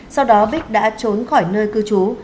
sau đó bích đã trốn khỏi nơi cư trú